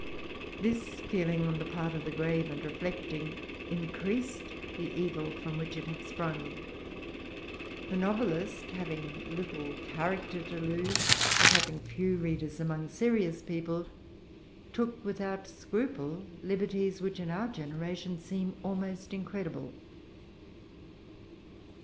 This feeling, on the part of the grave and reflecting, increased the evil from which it had sprung. The novelist having little character to lose, and having few readers among serious people, took without scruple liberties which in our generation seem almost incredible.